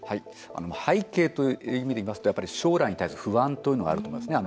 背景という意味でいいますと将来に対する不安というのがあると思いますね。